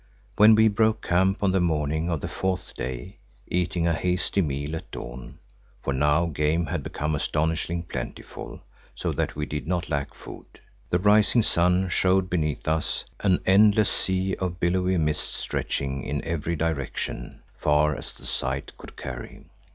When we broke camp on the morning of the fourth day, eating a hasty meal at dawn (for now game had become astonishingly plentiful, so that we did not lack food) the rising sun showed beneath us an endless sea of billowy mist stretching in every direction far as the sight could carry.